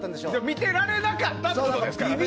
見てられなかったってことですからね。